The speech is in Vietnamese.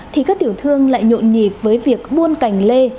thì các tiểu thương lại nhộn nhịp với việc buôn cành lê